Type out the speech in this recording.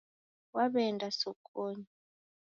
Waw'eenda sokonyi